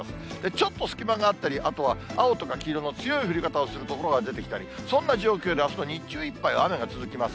ちょっと隙間があったり、あとは青とか黄色の強い降り方をする所が出てきたり、そんな状況であすの日中いっぱいは雨が続きます。